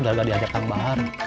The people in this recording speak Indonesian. gak agak diajakkan bahar